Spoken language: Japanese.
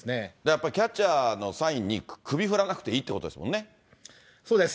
やっぱりキャッチャーのサインに首振らなくていいってことでそうです。